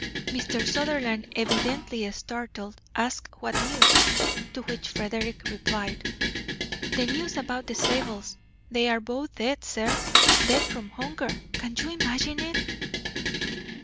Mr. Sutherland, evidently startled, asked what news; to which Frederick replied: "The news about the Zabels. They are both dead, sir, dead from hunger. Can you imagine it!"